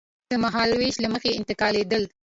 د مهالوېش له مخې انتقالېدل.